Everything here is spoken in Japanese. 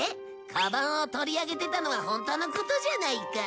カバンを取り上げてたのはホントのことじゃないか。